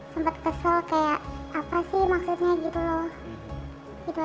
sempat kesel kayak apa sih maksudnya gitu loh